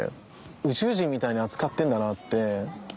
宇宙人みたいに扱ってんだなって。